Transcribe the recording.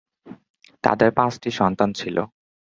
তাদের পাঁচটি সন্তান ছিল।